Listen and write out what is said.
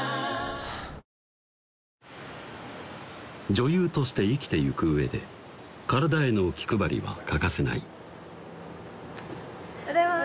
女優として生きてゆく上で体への気配りは欠かせないおはようございます